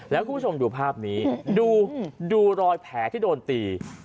แล้วคุณผู้ชมดูภาพนี้ดูรอยแผลที่โดนตี